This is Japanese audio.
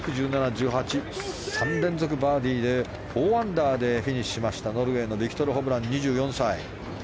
１６、１７、１８３連続バーディーで４アンダーでフィニッシュしましたノルウェーのビクトル・ホブラン、２４歳。